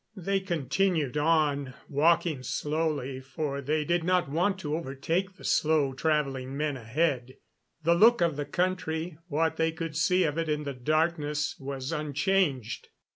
They continued on, walking slowly, for they did not want to overtake the slow traveling men ahead. The look of the country, what they could see of it in the darkness, was unchanged.